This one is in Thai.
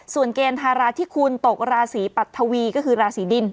ส่วนเกณฑ์ธาราที่คุณตกราศีปัททวีก็คือราศีดิน